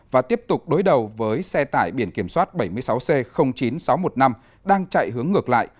và tiếp tục đối đầu với xe tải biển kiểm soát bảy mươi sáu c chín nghìn sáu trăm một mươi năm đang chạy hướng ngược lại